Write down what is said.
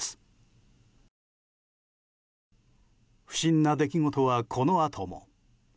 不審な出来事はこのあとも。